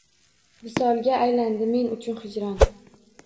Visolga aylandi men uchun hijron